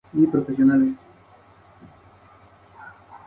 Se ofrece un tour turístico por varios guías especializados en ese tema.